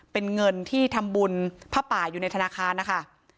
เป็นเงินที่ทำบุญผ้าป่าอยู่ในธนาคารนะคะ